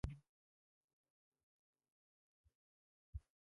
هغه باید خپله ساینسي او ریاضیکي پوهه وکاروي.